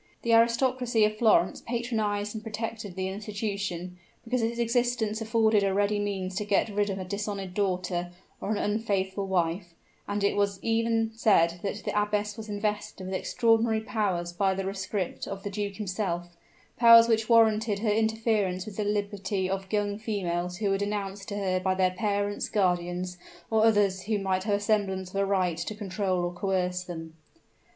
The aristocracy of Florence patronized and protected the institution because its existence afforded a ready means to get rid of a dishonored daughter, or an unfaithful wife; and it was even said that the abbess was invested with extraordinary powers by the rescript of the duke himself, powers which warranted her interference with the liberty of young females who were denounced to her by their parents, guardians, or others who might have a semblance of a right to control or coerce them.